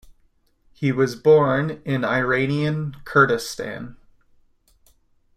He was born in Iranian Kurdistan.